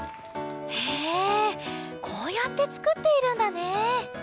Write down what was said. へえこうやってつくっているんだね。